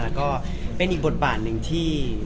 แล้วก็เป็นอีกบทบาทหนึ่งที่